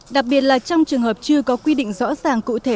đặc biệt là trong trường hợp chưa có quy định rõ ràng cụ thể